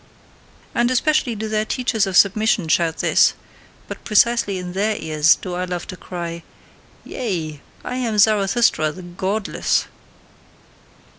And especially do their teachers of submission shout this; but precisely in their ears do I love to cry: "Yea! I AM Zarathustra, the godless!"